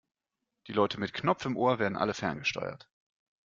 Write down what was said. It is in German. Die Leute mit Knopf im Ohr werden alle ferngesteuert.